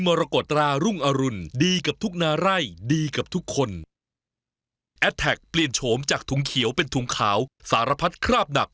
อ่าวพอหามาจากไหนวะเนี่ยเข้าใจจริงวะแซมแต่ปากนี้